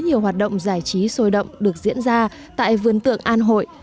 nhiều hoạt động giải trí sôi động được diễn ra tại vườn tượng an hội